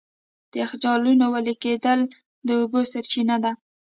د یخچالونو وېلې کېدل د اوبو سرچینه ده.